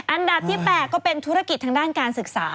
อันดับที่๘ก็เป็นธุรกิจทางด้านการศึกษา